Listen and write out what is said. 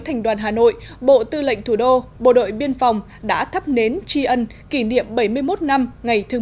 thành đoàn hà nội bộ tư lệnh thủ đô bộ đội biên phòng đã thắp nến tri ân kỷ niệm bảy mươi một năm ngày thương